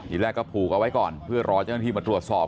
อีกแรกก็ผูกเอาไว้ก่อนเพื่อรอเจ้าหน้าที่มาตรวจสอบ